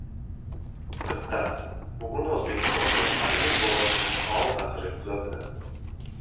Diqqat! Bugun O‘zbekistonda magnit bo‘ronining faol ta’siri kuzatiladi